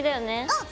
うん。